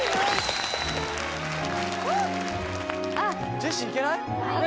ジェシーいけない？